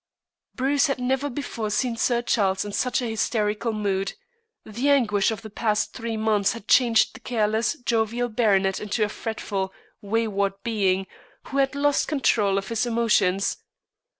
Bruce had never before seen Sir Charles in such a hysterical mood. The anguish of the past three months had changed the careless, jovial baronet into a fretful, wayward being, who had lost control of his emotions.